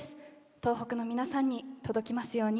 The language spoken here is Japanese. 東北の皆さんに届きますように！